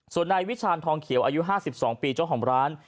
ส่วนนายวิชาณทองเขียวอายุ๕๒ปีเจ้าของร้าน